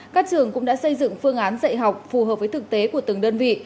các trường cũng đã xây dựng phương án dạy học phù hợp với thực tế của từng đơn vị